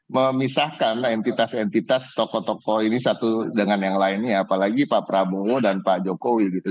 memisahkan entitas entitas tokoh tokoh ini satu dengan yang lainnya apalagi pak prabowo dan pak jokowi gitu